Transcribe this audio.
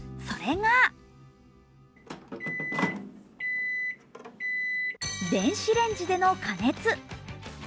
それが電子レンジでの加熱。